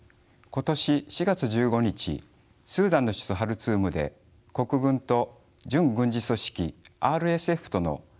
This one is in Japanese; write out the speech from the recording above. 今年４月１５日スーダンの首都ハルツームで国軍と準軍事組織ＲＳＦとの軍事衝突が発生しました。